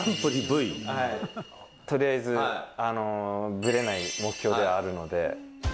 とりあえず、ぶれない目標ではあるので。